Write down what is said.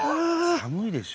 寒いでしょ。